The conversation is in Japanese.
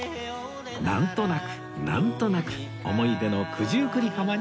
なんとなくなんとなく思い出の九十九里浜になりました